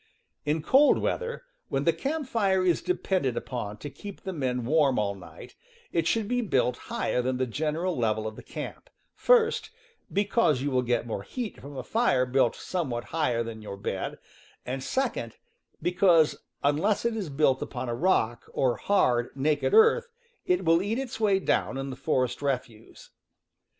In cold weather, when the camp fire is depended upon to keep the men warm all night, it should be built higher than the general level of the camp, first, because you will get more heat from a fire built somewhat higher than your bed, and, second, because, unless it is built upon a rock, or hard, naked earth, it will eat its way down in the forest refuse.